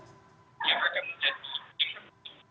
ya saya akan dilanjutkan